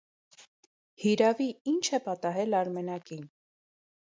Հիրավի, ի՞նչ է պատահել Արմենակին.